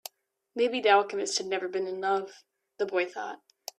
Maybe the alchemist has never been in love, the boy thought.